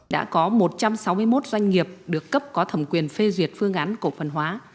đã có một trăm sáu mươi một doanh nghiệp được cấp có thẩm quyền phê duyệt phương án cổ phần hóa